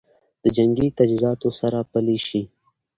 د جنګي تجهیزاتو سره پلي شي